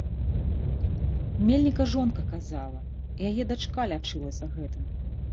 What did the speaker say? Мельніка жонка казала, яе дачка лячылася гэтым.